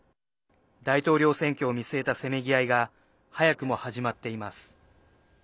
大統領選挙を見据えたせめぎ合いが早くも始まっています。